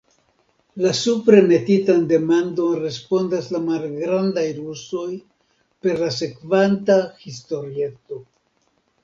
La supre metitan demandon respondas la malgrand'rusoj per la sekvanta historieto.